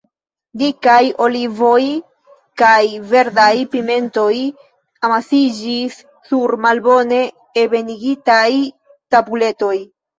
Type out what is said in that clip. Dikaj olivoj kaj verdaj pimentoj amasiĝis sur malbone ebenigitaj tabuletoj.